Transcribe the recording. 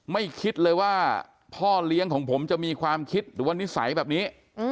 ไม่คิดเลยว่าพ่อเลี้ยงของผมจะมีความคิดหรือว่านิสัยแบบนี้